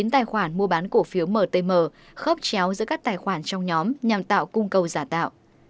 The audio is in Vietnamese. một trăm năm mươi chín tài khoản mua bán cổ phiếu mtm khớp chéo giữa các tài khoản trong nhóm nhằm tạo cung cầu giả tạo